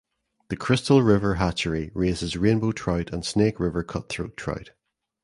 The Crystal River hatchery raises rainbow trout and Snake River cutthroat trout.